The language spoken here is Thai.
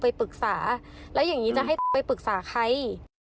ไปปรึกษาแล้วอย่างนี้จะให้ไปปรึกษาใคร